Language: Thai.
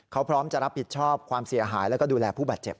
เขาพร้อมจะรับผิดชอบความเสียหายแล้วก็ดูแลผู้บาดเจ็บ